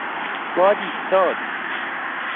باد ایستاد.